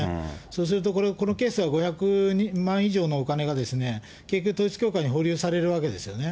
そうすると、このケースは５００万以上のお金が結局統一教会にされるわけですよね。